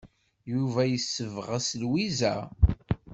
Yuba yessebɣes Lwiza.